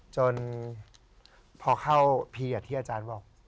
จนพอเข้าพีชที่อาจารย์บอก